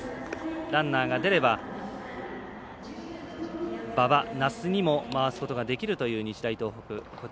ランナーが出れば馬場、奈須にも回すことができるという日大東北。